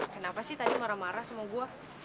kenapa sih tadi marah marah sama gue